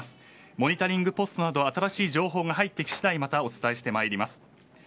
モニタリングポストなど新しい情報が入ってきしだいまたお伝えしてまいります。